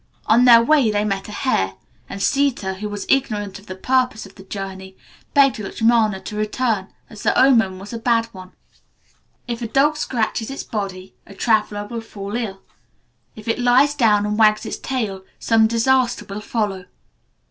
On their way they met a hare, and Sita, who was ignorant of the purpose of the journey, begged Lutchmana to return, as the omen was a bad one. If a dog scratches its body, a traveller will fall ill; if it lies down and wags its tail, some disaster will follow.